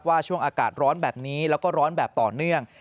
ช่วงอากาศร้อนแบบนี้แล้วก็ร้อนแบบต่อเนื่อง